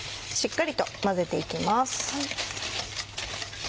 しっかりと混ぜて行きます。